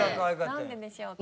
なんででしょう？